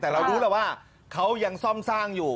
แต่เรารู้แล้วว่าเขายังซ่อมสร้างอยู่